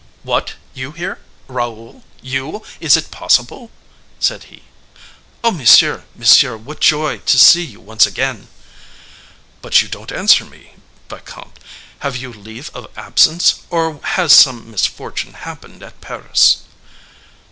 "What! you here, Raoul—you! Is it possible?" said he. "Oh, monsieur, monsieur, what joy to see you once again!" "But you don't answer me, vicomte. Have you leave of absence, or has some misfortune happened at Paris?